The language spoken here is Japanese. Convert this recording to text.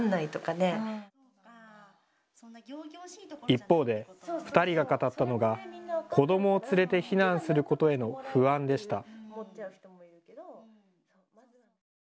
一方で２人が語ったのが子どもを連れて避難することへの不安でした。